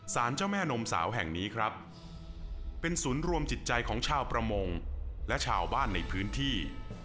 เจ้าแม่นมสาวแห่งนี้ครับเป็นศูนย์รวมจิตใจของชาวประมงและชาวบ้านในพื้นที่